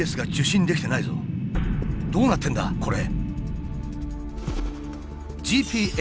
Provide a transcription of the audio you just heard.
「どうなってんだ？これ」。